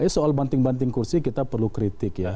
soal banting banting kursi kita perlu kritik ya